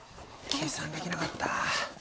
計算できなかった。